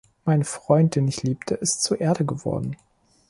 Mein Freund, den ich liebte, ist zu Erde geworden!